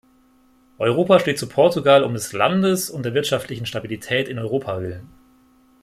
Europa steht zu Portugal um des Landes und der wirtschaftlichen Stabilität in Europa willen.